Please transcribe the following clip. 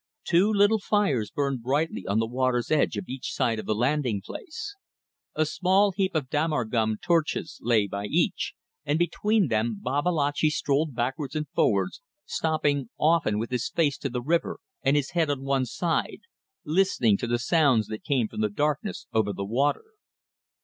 Two little fires burned brightly on the water's edge on each side of the landing place. A small heap of damar gum torches lay by each, and between them Babalatchi strolled backwards and forwards, stopping often with his face to the river and his head on one side, listening to the sounds that came from the darkness over the water.